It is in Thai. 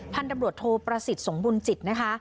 ท่านตำรวจโทประสิทธิ์สมบุญจิตนะคะ